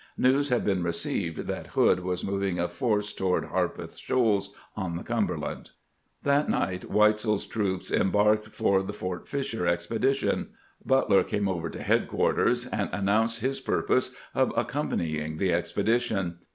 News had been received that Hood was moving a force toward Harpeth Shoals on the Cum berland. That night Weitzel's troops embarked for the Fort Fisher expedition. Butler came over to headquarters, and announced his purpose of accompanying the expe dition.